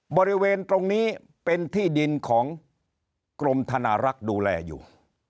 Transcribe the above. บริเวณตรงนี้เป็นที่ดินของกรมธนารักษ์ดูแลอยู่